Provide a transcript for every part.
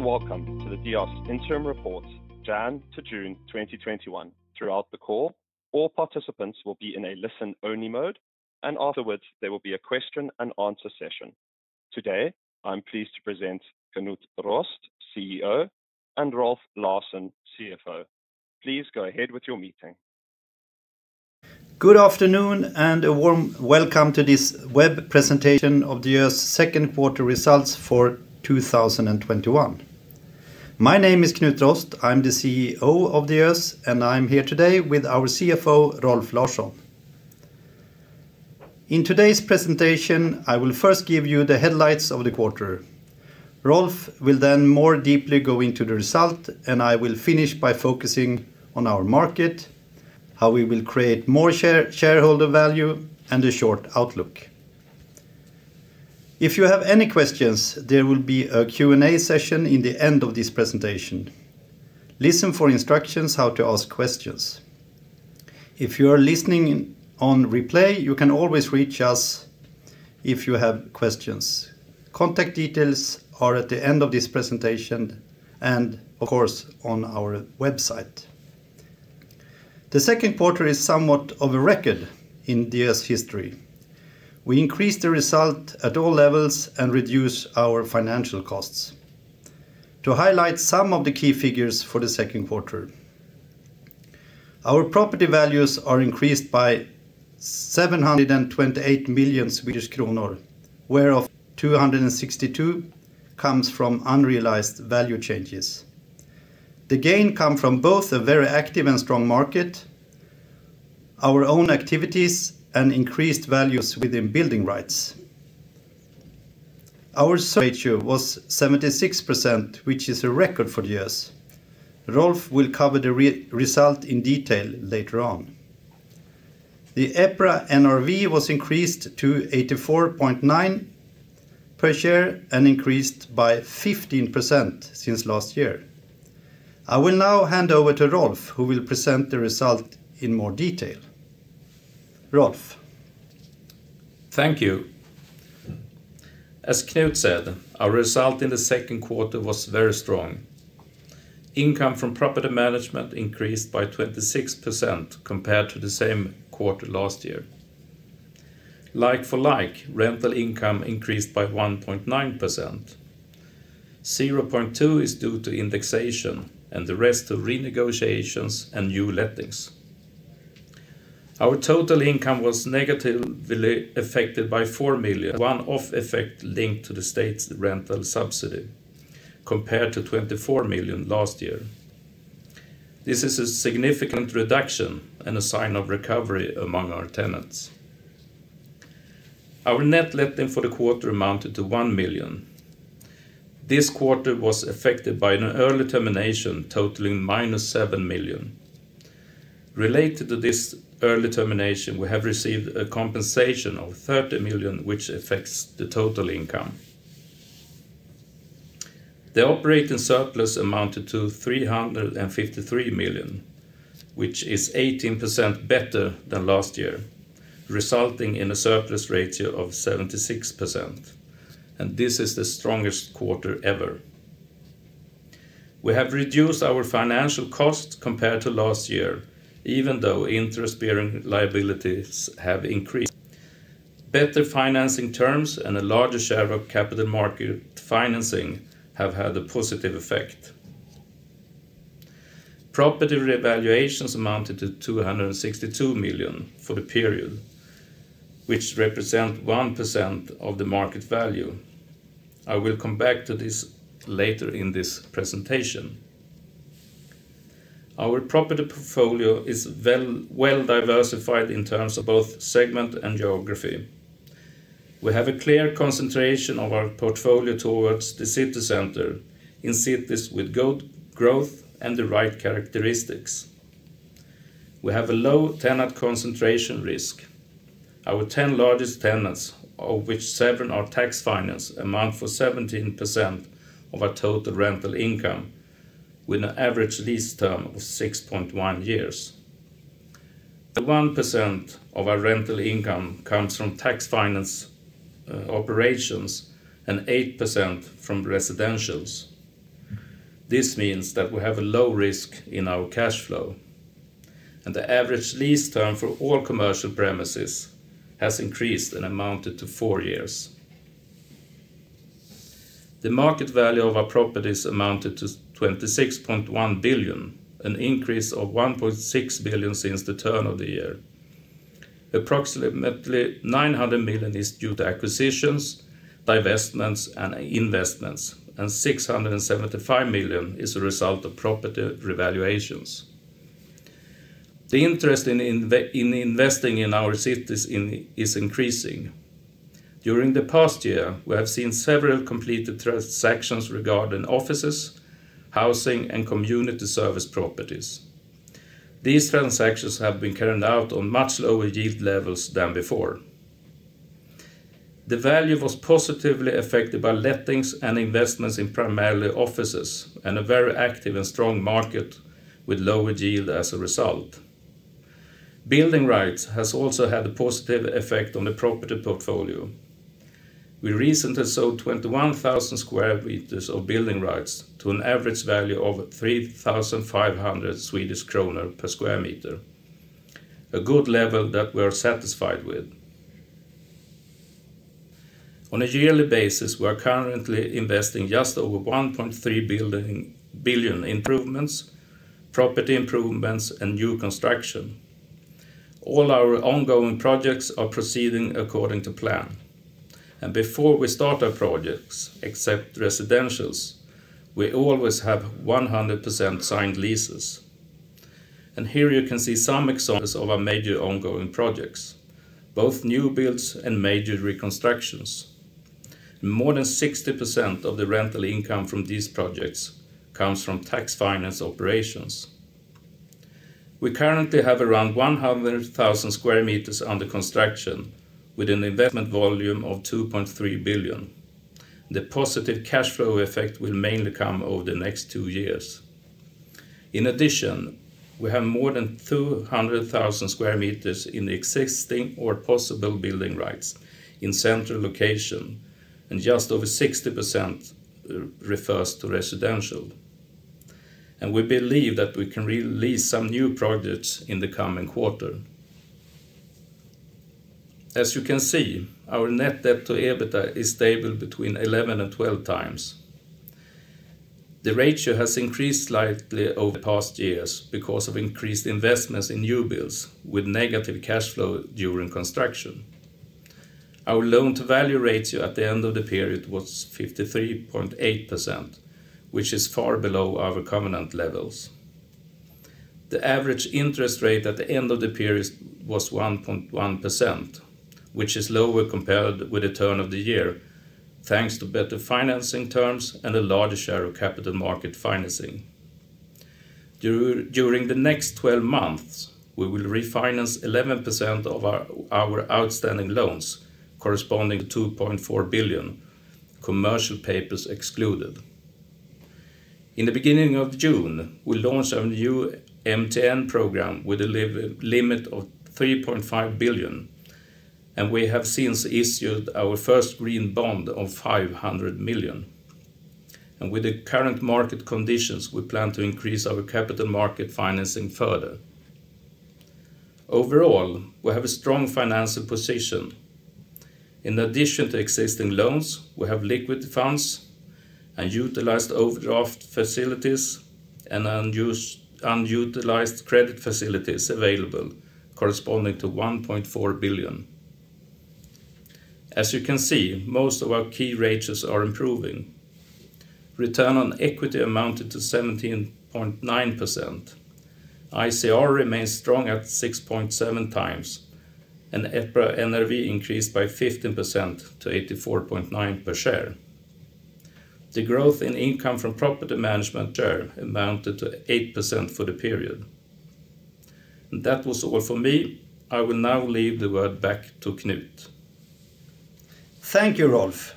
Welcome to the Diös Interim Reports January to June 2021. Throughout the call, all participants will be in a listen-only mode, and afterwards there will be a question and answer session. Today, I'm pleased to present Knut Rost, Chief Executive Officer, and Rolf Larsson, Chief Financial Officer. Please go ahead with your meeting. Good afternoon and a warm welcome to this web presentation of Diös second quarter results for 2021. My name is Knut Rost, I am the Chief Executive Officer of Diös, and I am here today with our Chief Financial Officer, Rolf Larsson. In today's presentation, I will first give you the headlights of the quarter. Rolf will then more deeply go into the result, and I will finish by focusing on our market, how we will create more shareholder value, and the short outlook. If you have any questions, there will be a Q&A session in the end of this presentation. Listen for instructions how to ask questions. If you are listening on replay, you can always reach us if you have questions. Contact details are at the end of this presentation and of course, on our website. The second quarter is somewhat of a record in Diös history. We increased the result at all levels and reduced our financial costs. To highlight some of the key figures for the second quarter. Our property values are increased by 728 million Swedish kronor, whereof 262 comes from unrealized value changes. The gain come from both a very active and strong market, our own activities, and increased values within building rights. Our ratio was 76%, which is a record for Diös. Rolf will cover the result in detail later on. The EPRA NRV was increased to 84.9 per share and increased by 15% since last year. I will now hand over to Rolf, who will present the result in more detail. Rolf? Thank you. As Knut said, our result in the second quarter was very strong. Income from property management increased by 26% compared to the same quarter last year. Like for like, rental income increased by 1.9%. 0.2% is due to indexation and the rest to renegotiations and new lettings. Our total income was negatively affected by 4 million, a one-off effect linked to the state's rental subsidy compared to 24 million last year. This is a significant reduction and a sign of recovery among our tenants. Our net letting for the quarter amounted to 1 million. This quarter was affected by an early termination totaling -7 million. Related to this early termination, we have received a compensation of 30 million, which affects the total income. The operating surplus amounted to 353 million, which is 18% better than last year, resulting in a surplus ratio of 76%. This is the strongest quarter ever. We have reduced our financial cost compared to last year, even though interest-bearing liabilities have increased. Better financing terms and a larger share of capital market financing have had a positive effect. Property revaluations amounted to 262 million for the period, which represent 1% of the market value. I will come back to this later in this presentation. Our property portfolio is well-diversified in terms of both segment and geography. We have a clear concentration of our portfolio towards the city center in cities with good growth and the right characteristics. We have a low tenant concentration risk. Our 10 largest tenants, of which seven are tax-financed, amount for 17% of our total rental income with an average lease term of 6.1 years. 1% of our rental income comes from tax finance operations and 8% from residentials. This means that we have a low risk in our cash flow, and the average lease term for all commercial premises has increased and amounted to four years. The market value of our properties amounted to 26.1 billion, an increase of 1.6 billion since the turn of the year. Approximately 900 million is due to acquisitions, divestments, and investments, and 675 million is a result of property revaluations. The interest in investing in our cities is increasing. During the past year, we have seen several completed transactions regarding offices, housing, and community service properties. These transactions have been carried out on much lower yield levels than before. The value was positively affected by lettings and investments in primarily offices and a very active and strong market with lower yield as a result. building rights has also had a positive effect on the property portfolio. We recently sold 21,000 sq m of building rights to an average value of 3,500 Swedish kronor per square metre, a good level that we are satisfied with. On a yearly basis, we are currently investing just over 1.3 billion improvements, property improvements, and new construction. All our ongoing projects are proceeding according to plan. Before we start our projects, except residentials, we always have 100% signed leases. Here you can see some examples of our major ongoing projects, both new builds and major reconstructions. More than 60% of the rental income from these projects comes from tax finance operations. We currently have around 100,000 sq m under construction with an investment volume of 2.3 billion. The positive cash flow effect will mainly come over the next two years. In addition, we have more than 200,000 sq m in the existing or possible building rights in central location. Just over 60% refers to residential. We believe that we can release some new projects in the coming quarter. As you can see, our net debt to EBITDA is stable between 11x and 12x. The ratio has increased slightly over the past years because of increased investments in new builds with negative cash flow during construction. Our loan-to-value ratio at the end of the period was 53.8%, which is far below our covenant levels. The average interest rate at the end of the period was 1.1%, which is lower compared with the turn of the year, thanks to better financing terms and a larger share of capital market financing. During the next 12 months, we will refinance 11% of our outstanding loans, corresponding to 2.4 billion, commercial papers excluded. In the beginning of June, we launched our new MTN program with a limit of 3.5 billion, and we have since issued our first green bond of 500 million. With the current market conditions, we plan to increase our capital market financing further. Overall, we have a strong financial position. In addition to existing loans, we have liquid funds, and utilized overdraft facilities, and unutilized credit facilities available corresponding to 1.4 billion. As you can see, most of our key ratios are improving. Return on equity amounted to 17.9%. ICR remains strong at 6.7 times, and EPRA NAV increased by 15% to 84.9 per share. The growth in income from property management there amounted to 8% for the period. That was all from me. I will now leave the word back to Knut. Thank you, Rolf.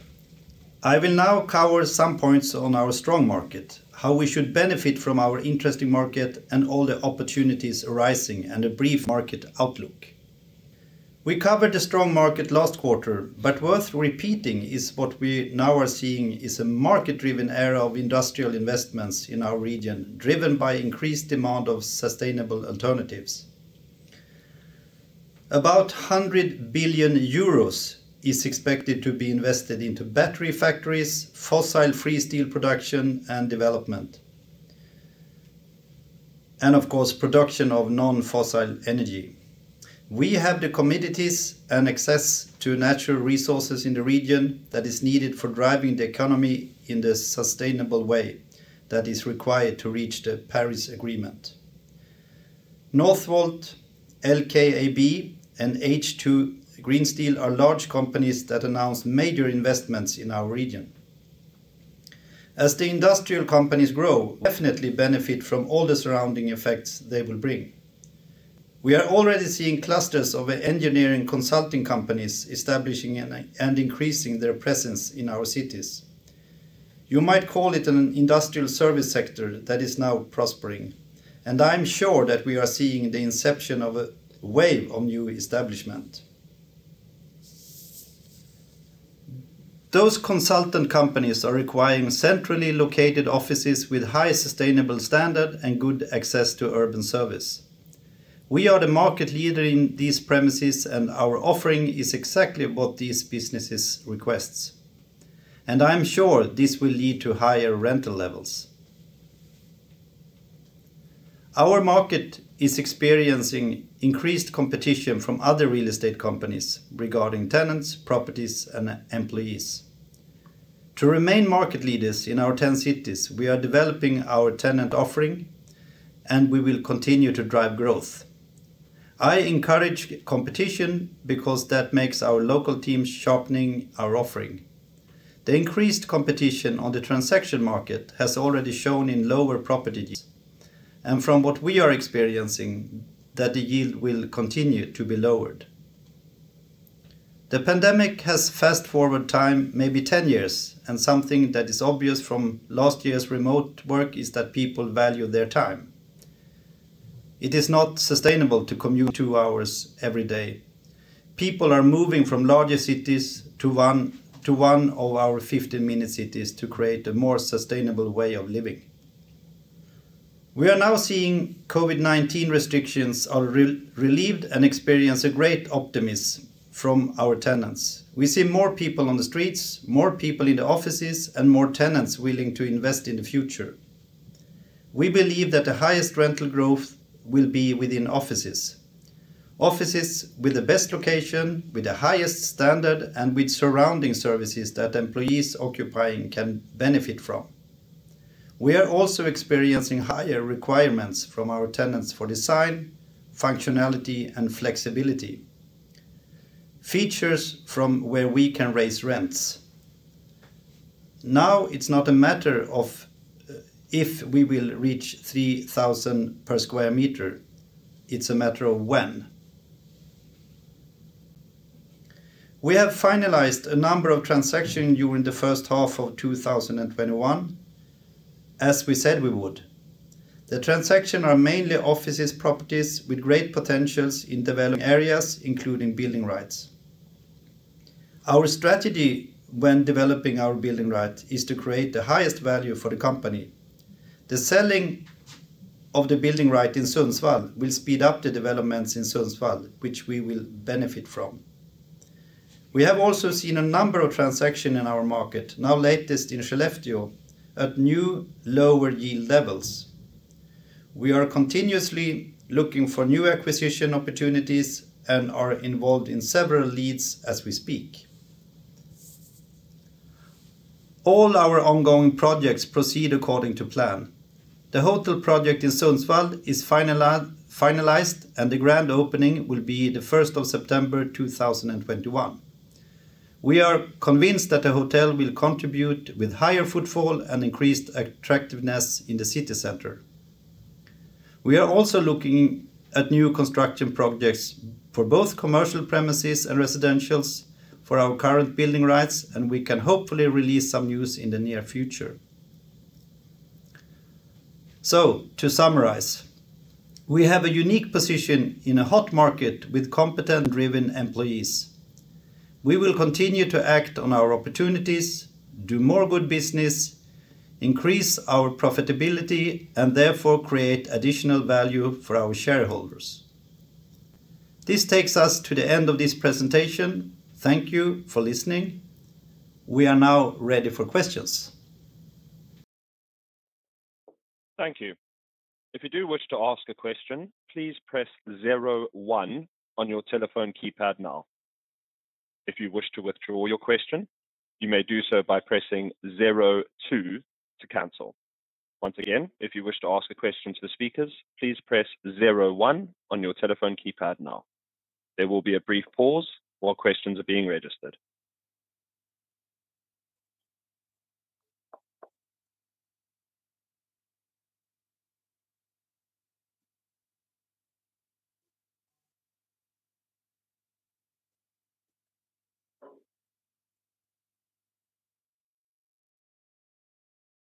I will now cover some points on our strong market, how we should benefit from our interesting market, and all the opportunities arising, and a brief market outlook. We covered a strong market last quarter, but worth repeating is what we now are seeing is a market-driven era of industrial investments in our region, driven by increased demand of sustainable alternatives. About 100 billion euros is expected to be invested into battery factories, fossil-free steel production and development, and of course, production of non-fossil energy. We have the communities and access to natural resources in the region that is needed for driving the economy in the sustainable way that is required to reach the Paris Agreement. Northvolt, LKAB, and H2 Green Steel are large companies that announced major investments in our region. As the industrial companies grow, we definitely benefit from all the surrounding effects they will bring. We are already seeing clusters of engineering consulting companies establishing and increasing their presence in our cities. You might call it an industrial service sector that is now prospering, and I'm sure that we are seeing the inception of a wave of new establishment. Those consultant companies are requiring centrally located offices with high sustainable standard and good access to urban service. We are the market leader in these premises, and our offering is exactly what these businesses request. I'm sure this will lead to higher rental levels. Our market is experiencing increased competition from other real estate companies regarding tenants, properties, and employees. To remain market leaders in our 10 cities, we are developing our tenant offering, and we will continue to drive growth. I encourage competition because that makes our local teams sharpening our offering. The increased competition on the transaction market has already shown in lower property yields. From what we are experiencing, that the yield will continue to be lowered. The pandemic has fast-forwarded time maybe 10 years, and something that is obvious from last year's remote work is that people value their time. It is not sustainable to commute two hours every day. People are moving from larger cities to one of our 15-minute cities to create a more sustainable way of living. We are now seeing COVID-19 restrictions are relieved and experience a great optimism from our tenants. We see more people on the streets, more people in the offices, and more tenants willing to invest in the future. We believe that the highest rental growth will be within offices. Offices with the best location, with the highest standard, and with surrounding services that employees occupying can benefit from. We are also experiencing higher requirements from our tenants for design, functionality, and flexibility. Features from where we can raise rents. Now it's not a matter of if we will reach 3,000 per square metre, it's a matter of when. We have finalized a number of transactions during the first half of 2021, as we said we would. The transactions are mainly office properties with great potentials in developed areas, including building rights. Our strategy when developing our building rights is to create the highest value for the company. The selling of the building right in Sundsvall will speed up the developments in Sundsvall, which we will benefit from. We have also seen a number of transactions in our market, now latest in Skellefteå, at new, lower yield levels. We are continuously looking for new acquisition opportunities and are involved in several leads as we speak. All our ongoing projects proceed according to plan. The hotel project in Sundsvall is finalized. The grand opening will be the 1st of September 2021. We are convinced that the hotel will contribute with higher footfall and increased attractiveness in the city center. We are also looking at new construction projects for both commercial premises and residential for our current building rights. We can hopefully release some news in the near future. To summarize, we have a unique position in a hot market with competent, driven employees. We will continue to act on our opportunities, do more good business, increase our profitability, and therefore create additional value for our shareholders. This takes us to the end of this presentation. Thank you for listening. We are now ready for questions. Thank you. If you do wish to ask a question, please press zero one on your telephone keypad now. If you wish to withdraw your question, you may do so by pressing zero two to cancel. Once again, if you wish to ask a question to the speakers, please press zero one on your telephone keypad now. There will be a brief pause while questions are being registered.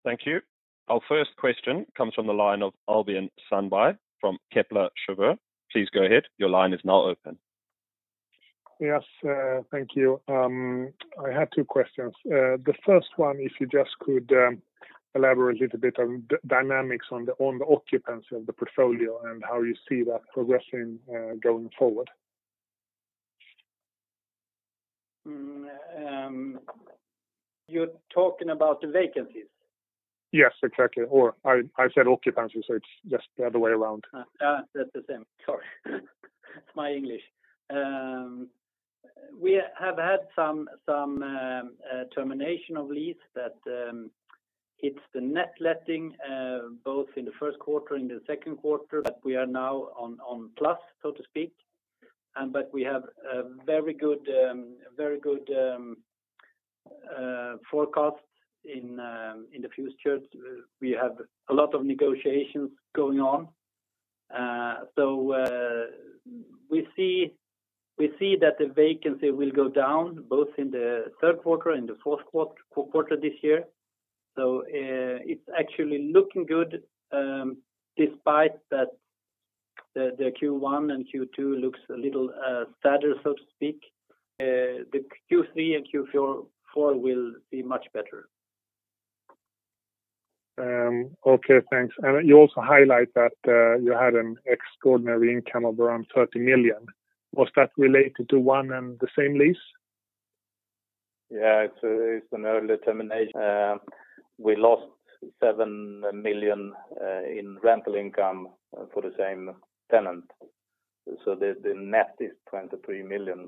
Thank you. Our first question comes from the line of Albin Sandberg from Kepler Cheuvreux. Please go ahead. Your line is now open. Yes, thank you. I had two questions. The first one, if you just could elaborate a little bit on the dynamics on the occupancy of the portfolio and how you see that progressing going forward. You're talking about the vacancies? Yes, exactly. I said occupancy, so it's just the other way around. That's the same. Sorry. It's my English. We have had some termination of lease that hits the net letting, both in the first quarter and the second quarter. We are now on plus. We have very good forecasts in the future. We have a lot of negotiations going on. We see that the vacancy will go down both in the third quarter and the fourth quarter this year. It's actually looking good. Despite that the Q1 and Q2 looks a little stagnant. The Q3 and Q4 will be much better. Okay, thanks. You also highlight that you had an extraordinary income of around 30 million. Was that related to one and the same lease? Yeah, it's an early termination. We lost 7 million in rental income for the same tenant. The net is 23 million.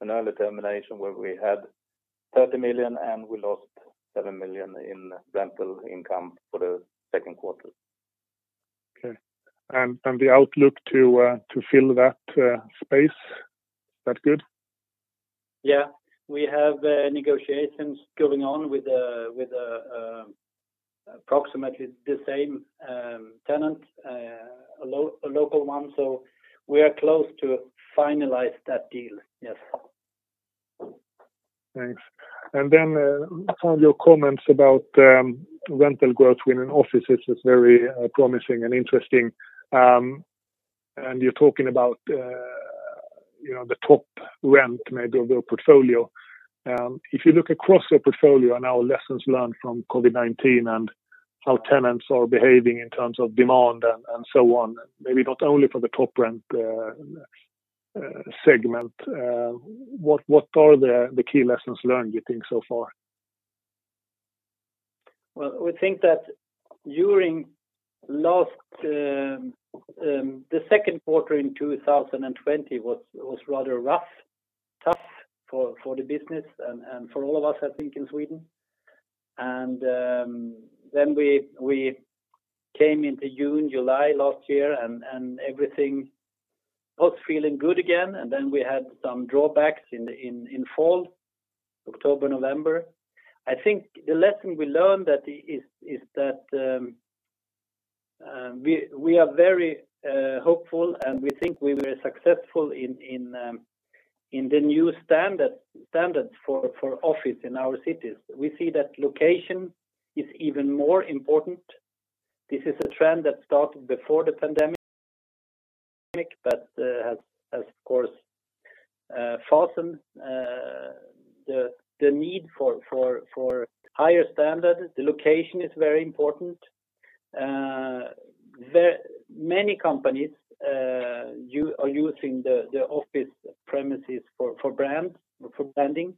An early termination where we had 30 million, and we lost 7 million in rental income for the second quarter. Okay. The outlook to fill that space is that good? Yeah. We have negotiations going on with. Approximately the same tenant, a local one. We are close to finalizing that deal. Yes. Thanks. Some of your comments about rental growth within offices is very promising and interesting. You're talking about the top rent maybe of your portfolio. If you look across your portfolio and our lessons learned from COVID-19 and how tenants are behaving in terms of demand and so on, maybe not only for the top rent segment, what are the key lessons learned, you think, so far? We think that the second quarter in 2020 was rather rough for the business and for all of us, I think, in Sweden. We came into June, July last year, and everything was feeling good again, and then we had some drawbacks in fall, October, November. I think the lesson we learned is that we are very hopeful, and we think we were successful in the new standard for office in our cities. We see that location is even more important. This is a trend that started before the pandemic, but has, of course, fastened the need for higher standards. The location is very important. Many companies are using the office premises for branding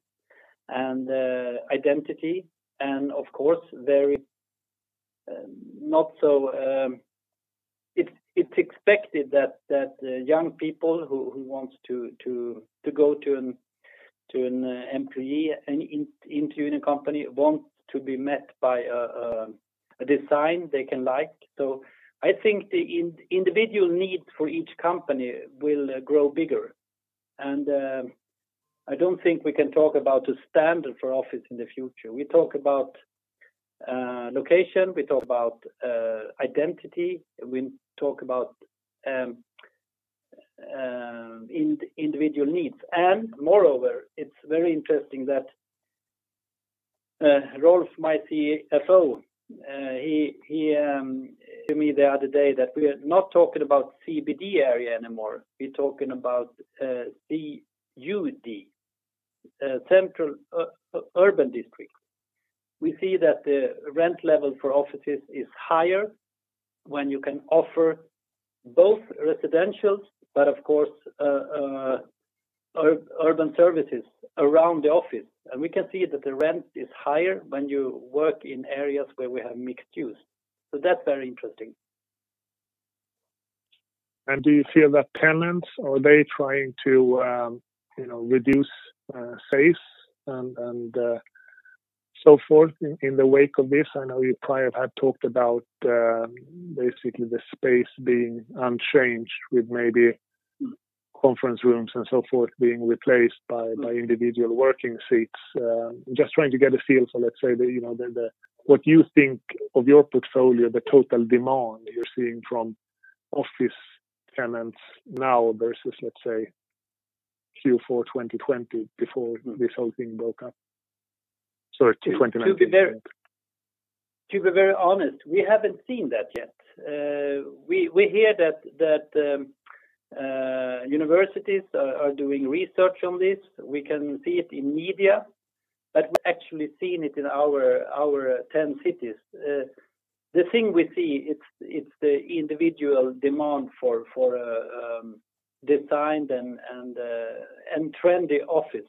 and identity, and of course, it's expected that young people who want to go into a company want to be met by a design they can like. I think the individual need for each company will grow bigger, and I don't think we can talk about a standard for office in the future. We talk about location, we talk about identity, and we talk about individual needs. Moreover, it's very interesting that Rolf, my Chief Financial Officer, he told me the other day that we are not talking about CBD area anymore. We're talking about CUD, Central Urban District. We see that the rent level for offices is higher when you can offer both residential, but of course, urban services around the office. We can see that the rent is higher when you work in areas where we have mixed use. That's very interesting. Do you feel that tenants, are they trying to reduce space and so forth in the wake of this? I know you probably have had talk about basically the space being unchanged with maybe conference rooms and so forth being replaced by individual working seats. I'm just trying to get a feel for, let's say, what you think of your portfolio, the total demand you're seeing from office tenants now versus, let's say, Q4 2020 before this whole thing broke up. Sorry, 2019. To be very honest, we haven't seen that yet. We hear that universities are doing research on this. We can see it in media, but we haven't actually seen it in our 10 cities. The thing we see, it's the individual demand for designed and trendy office.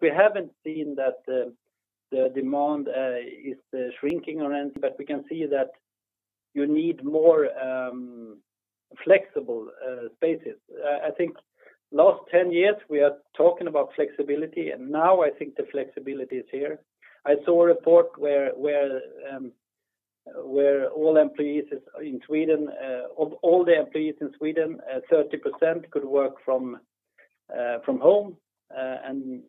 We haven't seen that the demand is shrinking or anything, but we can see that you need more flexible spaces. I think last 10 years, we are talking about flexibility, and now I think the flexibility is here. I saw a report where all the employees in Sweden, 30% could work from home, and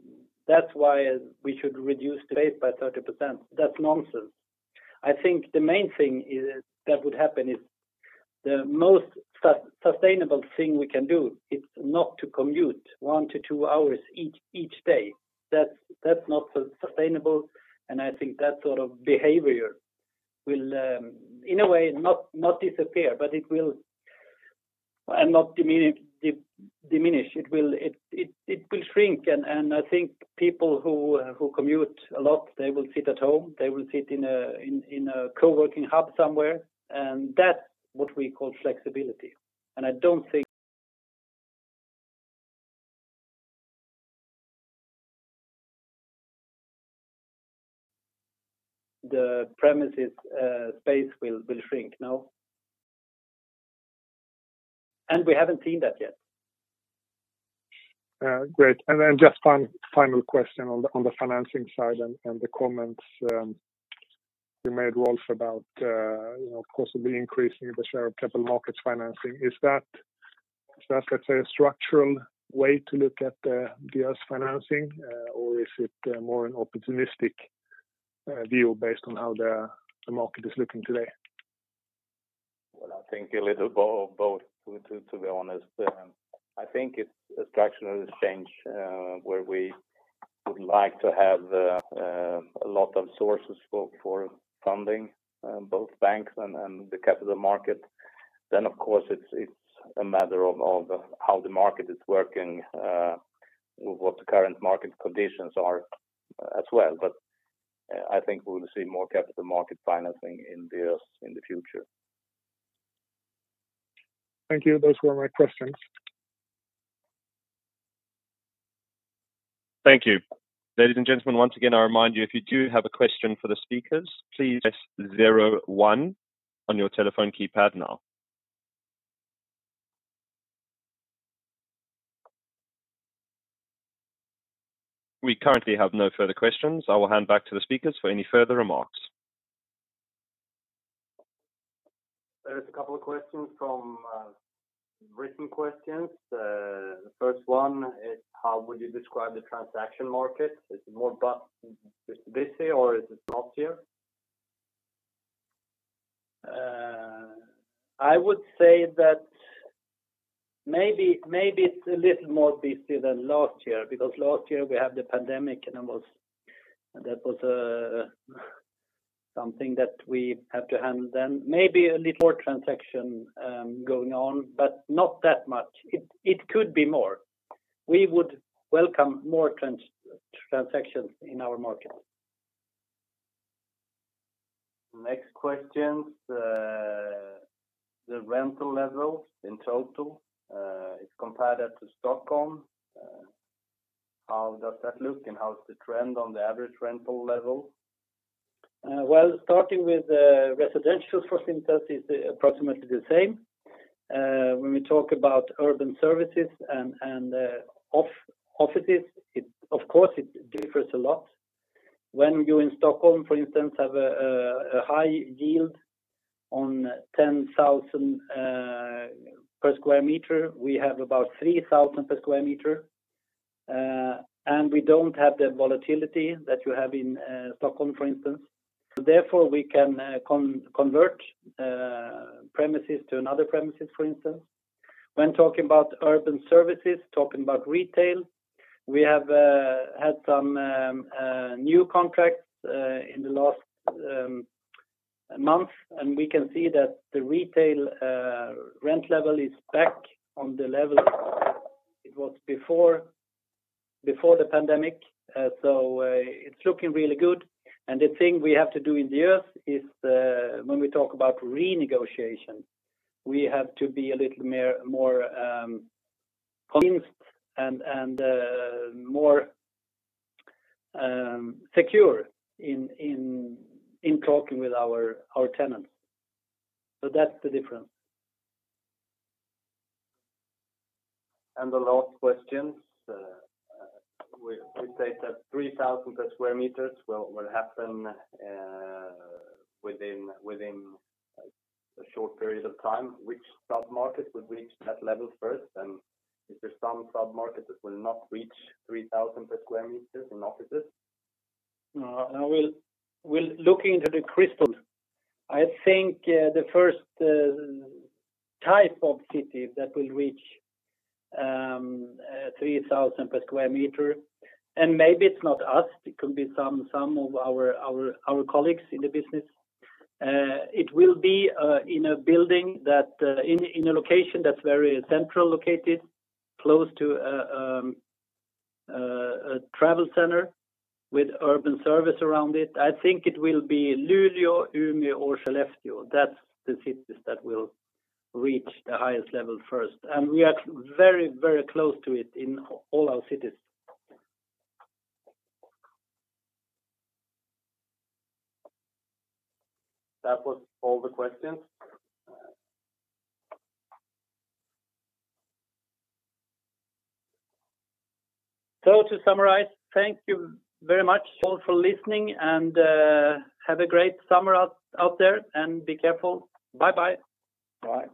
that's why we should reduce space by 30%. That's nonsense. I think the main thing that would happen is the most sustainable thing we can do is not to commute one to two hours each day. That's not sustainable, and I think that sort of behavior will, in a way, not disappear, and not diminish. It will shrink, and I think people who commute a lot, they will sit at home. They will sit in a coworking hub somewhere, and that's what we call flexibility. I don't think the premises space will shrink. No. We haven't seen that yet. Great. Just final question on the financing side and the comments you made, Rolf, about possibly increasing the share of capital market financing. Is that a structural way to look at the Diös financing, or is it more an opportunistic view based on how the market is looking today? Well, I think a little of both, to be honest. I think it's a structural change, where we would like to have a lot of sources for funding, both banks and the capital market. Of course, it's a matter of how the market is working, what the current market conditions are as well. I think we'll see more capital market financing in Diös in the future. Thank you. Those were my questions. Thank you. Ladies and gentlemen, once again, I remind you, if you do have a question for the speakers, please press zero one on your telephone keypad now. We currently have no further questions. I will hand back to the speakers for any further remarks. There is a couple of questions from written questions. The first one is, how would you describe the transaction market? Is it more busy or is it not here? I would say that maybe it's a little more busy than last year, because last year we had the pandemic and that was something that we had to handle then. Maybe a little more transaction going on, but not that much. It could be more. We would welcome more transactions in our market. Next question, the rental level in total is compared to Stockholm. How does that look and how is the trend on the average rental level? Well, starting with residential, for instance, is approximately the same. When we talk about urban services and offices, of course, it differs a lot. When you, in Stockholm, for instance, have a high yield on 10,000 per square metre, we have about 3,000 per square metre. We don't have the volatility that you have in Stockholm, for instance. Therefore, we can convert premises to another premises, for instance. When talking about urban services, talking about retail, we have had some new contracts in the last month, and we can see that the retail rent level is back on the level it was before the pandemic. It's looking really good. The thing we have to do in Diös is when we talk about renegotiation, we have to be a little more convinced and more secure in talking with our tenants. That's the difference. The last question. You say that 3,000 per square metre will happen within a short period of time. Which sub-market would reach that level first? Is there some sub-market that will not reach 3,000 per square metre in offices? Looking into the crystal. I think the first type of city that will reach 3,000 per square metre, maybe it's not us, it could be some of our colleagues in the business. It will be in a location that's very central located, close to a travel center with urban service around it. I think it will be Luleå, Umeå or Skellefteå. That's the cities that will reach the highest level first. We are very close to it in all our cities. That was all the questions. To summarize, thank you very much all for listening, and have a great summer out there and be careful. Bye-bye. Bye.